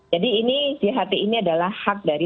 jadi ini jht ini adalah hak dari